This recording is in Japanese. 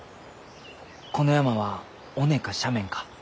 この山は尾根か斜面か。